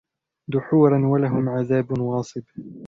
دُحُورًا وَلَهُمْ عَذَابٌ وَاصِبٌ